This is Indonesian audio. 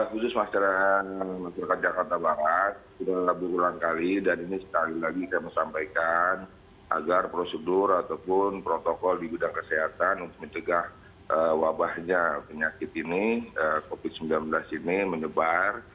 khusus masyarakat jakarta barat sudah berulang kali dan ini sekali lagi saya mau sampaikan agar prosedur ataupun protokol di bidang kesehatan untuk mencegah wabahnya penyakit ini covid sembilan belas ini menyebar